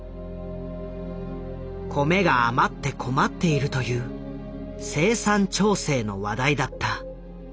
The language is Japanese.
米が余って困っているという「生産調整」の話題だった。